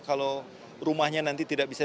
kalau rumahnya nanti tidak bisa